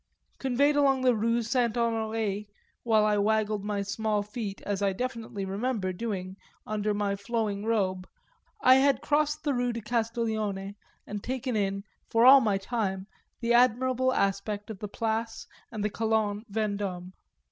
Conveyed along the Rue St. Honoré while I waggled my small feet, as I definitely remember doing, under my flowing robe, I had crossed the Rue de Castiglione and taken in, for all my time, the admirable aspect of the Place and the Colonne Vendôme.